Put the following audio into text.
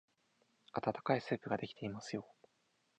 あたたかいスープができていますよ。